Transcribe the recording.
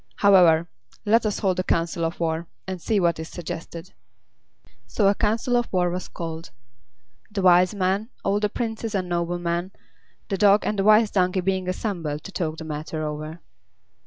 However, let us hold a council of war, and see what is suggested." So a council of war was called. The Wise Man, all the Princes and Noblemen, the Dog and the Wise Donkey being assembled to talk the matter over.